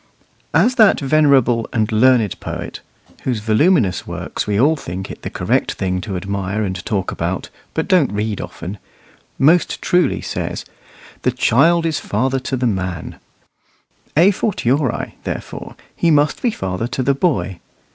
As that venerable and learned poet (whose voluminous works we all think it the correct thing to admire and talk about, but don't read often) most truly says, "The child is father to the man;" a fortiori, therefore, he must be father to the boy.